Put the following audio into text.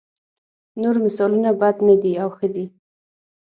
نور مثالونه بد نه دي او ښه دي.